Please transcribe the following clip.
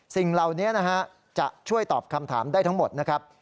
สิ่งเหล่านี้นะฮะจะช่วยตอบคำถามได้ทั้งหมดนะครับ